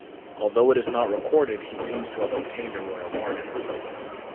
Although it is not recorded he seems to have obtained a Royal Pardon.